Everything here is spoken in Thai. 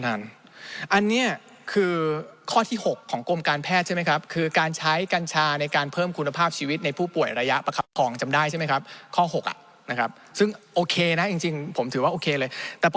แต่เด็กกับเยาวชนเนี่ยมันยังไม่ได้นะประธาน